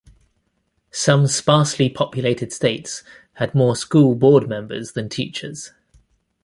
Some sparsely populated states had more school board members than teachers.